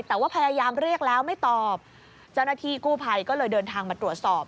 แต่ว่าพยายามเรียกแล้วไม่ตอบเจ้าหน้าที่กู้ภัยก็เลยเดินทางมาตรวจสอบ